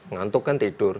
ngantuk kan tidur